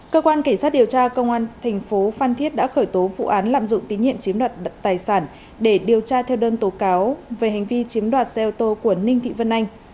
cơ quan cảnh sát điều tra công an thành phố phan thiết đã khởi tố vụ án lạm dụng tín nhiệm chiếm đoạt tài sản để điều tra theo đơn tố cáo về hành vi chiếm đoạt xe ô tô của ninh thị vân anh